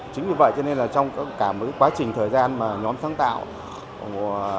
chính vì vậy cho nên là trong cả một quá trình thời gian mà nhóm sáng tạo